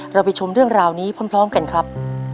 เราไปชมเรื่องราวนี้พร้อมกันครับ